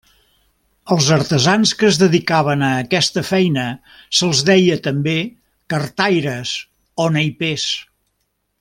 Als artesans que es dedicaven a aquesta feina se'ls deia també cartaires o naipers.